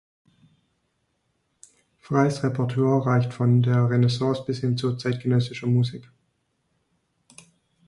Freys Repertoire reicht von der Renaissance bis hin zu zeitgenössischer Musik.